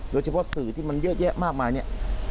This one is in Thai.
โดยเฉพาะสื่อที่มรเยอะแยะมากมานี่